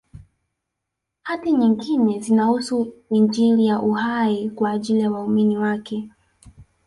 Hati nyingine zinahusu Injili ya Uhai kwa ajili ya waumini wake